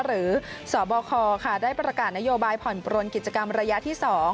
สบคได้ประกาศนโยบายผ่อนปลนกิจกรรมระยะที่๒